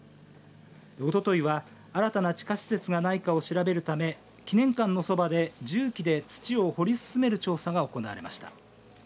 おとといは新たな地下施設がないかを調べるため記念館のそばで重機で土を掘り進める調査が行われました。